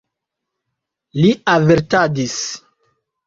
Li avertadis.